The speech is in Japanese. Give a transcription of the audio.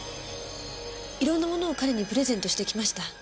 いろんなものを彼にプレゼントしてきました。